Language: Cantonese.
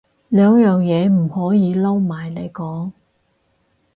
兩樣嘢唔可以撈埋嚟講